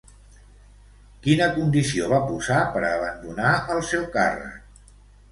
Quina condició va posar per a abandonar el seu càrrec?